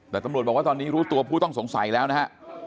แต่ตำรวจบอกว่าตอนนี้รู้ตัวผู้ต้องสงสัยแล้วนะฮะ